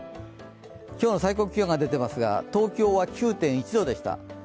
今日の最高気温が出ていますが、東京は９．１度でした。